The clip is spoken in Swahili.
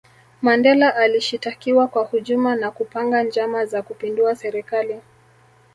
mandela alishitakiwa kwa hujuma na kupanga njama za kupindua serikali